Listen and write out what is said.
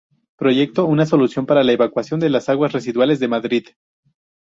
Proyectó una solución para la evacuación de las aguas residuales de Madrid.